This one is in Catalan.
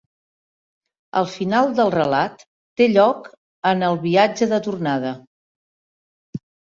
El final del relat té lloc en el viatge de tornada.